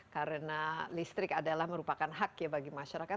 karena listrik adalah merupakan hak ya bagi masyarakat